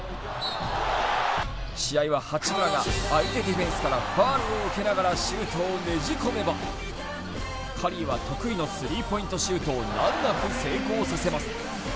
試合は八村が相手ディフェンスからファウルを受けながらシュートをねじ込めばカリーは得意のスリーポイントシュートを難なく成功させます。